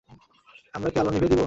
আমরা কি আলো নিভিয়ে দিব?